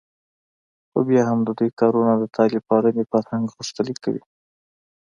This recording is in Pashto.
خو بیا هم د دوی کارونه د طالب پالنې فرهنګ غښتلی کوي